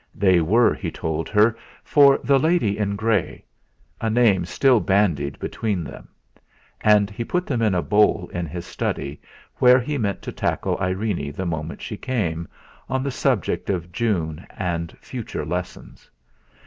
They were, he told her, for 'the lady in grey' a name still bandied between them; and he put them in a bowl in his study where he meant to tackle Irene the moment she came, on the subject of June and future lessons.